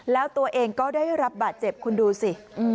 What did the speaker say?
แล้วตัวเองก็ได้รับบาดเจ็บคุณดูสิ